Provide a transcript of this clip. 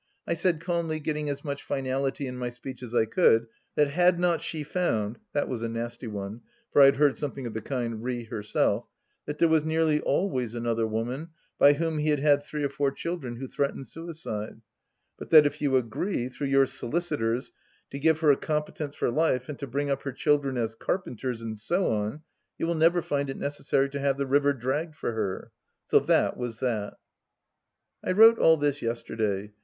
I said calmly, getting as much finality into my speech as I could, that had not she found — that was a nasty one, for I had heard something of the kind re herself — ^that there was nearly always another woman, by whom he had had three or four children, who threatened suicide; but that if you agree, through your solicitors, to give her a competence for life and to bring up her children as carpenters, and so on, you wUl never find it necessary to have the river dragged for her ? So that was that ! I wrote all this yesterday.